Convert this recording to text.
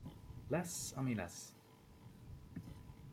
Lesz, ami lesz!